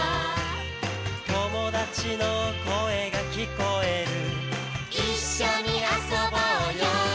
「友達の声が聞こえる」「一緒に遊ぼうよ」